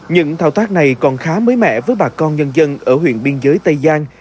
những thao tác này còn khá mới mẻ với bà con nhân dân ở huyện biên giới tây giang